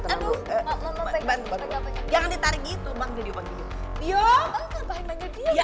tenang dulu jangan ditarik itu bang video video ya